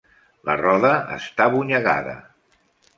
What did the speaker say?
La roda està abonyegada.